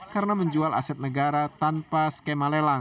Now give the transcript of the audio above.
karena menjual aset negara tanpa sengkapan